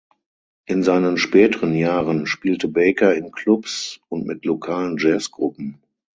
In seinen späteren Jahren spielte Baker in Clubs und mit lokalen Jazzgruppen.